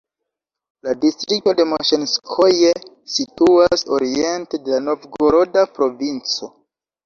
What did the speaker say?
La distrikto de Moŝenskoje situas oriente de la Novgoroda provinco.